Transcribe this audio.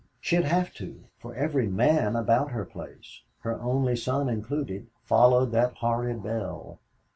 she'll have to, for every man about her place, her only son included, followed that horrid bell.